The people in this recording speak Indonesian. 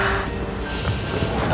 jangan kalau aku ridiculously agresif